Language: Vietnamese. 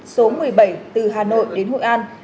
số một mươi bảy từ hà nội đến hội an